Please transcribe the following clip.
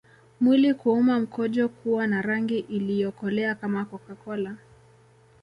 Mwili kuuma mkojo kuwa na rangi iliyokolea kama CocaCola